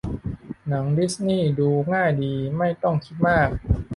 หนังดิสนีย์ ดูง่ายดี ไม่ต้องคิดมาก